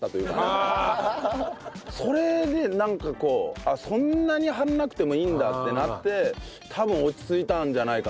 それでなんかこうあっそんなに張んなくてもいいんだってなって多分落ち着いたんじゃないかな。